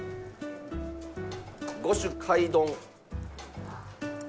五種貝丼。